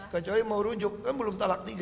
kecuali mau rujuk kan belum